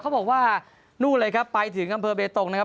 บอกว่านู่นเลยครับไปถึงอำเภอเบตงนะครับ